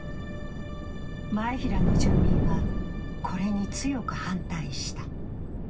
真栄平の住民はこれに強く反対した。